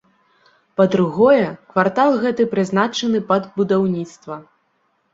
Па другое, квартал гэты прызначаны пад будаўніцтва.